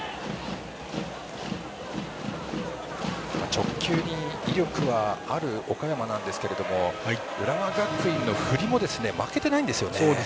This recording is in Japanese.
直球に威力がある岡山ですが浦和学院の振りも負けてないんですよね。